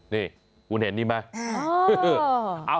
นี่คุณเห็นนี่ไหม